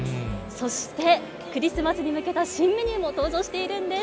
そして、クリスマスに向けた新メニューも登場しているんです。